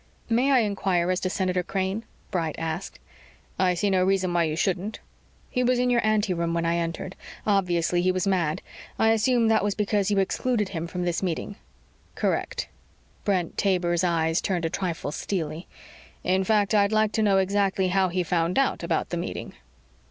"May I inquire as to Senator Crane?" Bright asked. "I see no reason why you shouldn't." "He was in your anteroom when I entered. Obviously he was mad. I assume that was because you excluded him from this meeting." "Correct." Brent Taber's eyes turned a trifle steely. "In fact, I'd like to know exactly how he found out about the meeting."